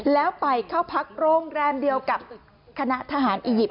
แล้วไปเข้าพักโรงแรมเดียวกับคณะทหารอียิปต